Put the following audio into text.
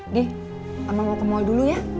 di ama mau ke mall dulu ya